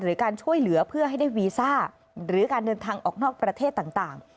หรือการช่วยเหลือเพื่อให้ได้วีซ่าหรือการเดินทางออกนอกประเทศต่าง